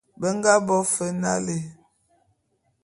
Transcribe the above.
Be nga bo fe nalé.